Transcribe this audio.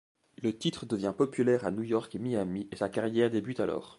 Le titre devient populaire à New York et Miami et sa carrière débute alors.